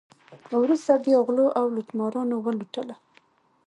وروسته بیا غلو او لوټمارانو ولوټله.